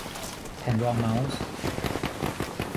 แผ่นรองเม้าส์